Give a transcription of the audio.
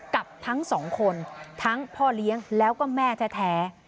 กับทั้งสองคนทั้งพ่อเลี้ยงแล้วก็แม่แท้